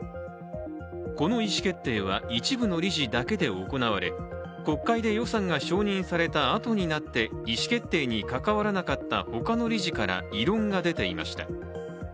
この意思決定は、一部の理事だけで行われ国会で予算が承認されたあとになって意思決定に関わらなかった他の理事から異論が出ていました。